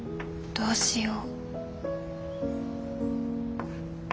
どうしよう。